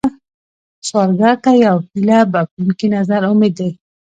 سوالګر ته یو هيله بښونکی نظر امید دی